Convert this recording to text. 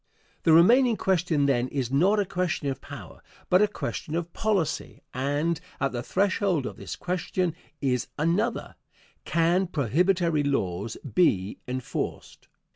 The remaining question, then, is not a question of power, but a question of policy, and at the threshold of this question is another: Can prohibitory laws be enforced?